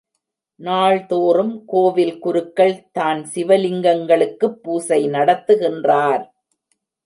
நாள்தோறும் கோவில் குருக்கள் தான் சிவலிங்கங்களுக்குப் பூசை நடத்துகின்றார்.